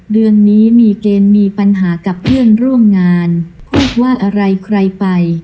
เดือนนี้มีเกณฑ์มีปัญหากับเพื่อนร่วมงานพูดว่าอะไรใครไป